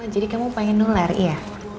kamu pengen nular iya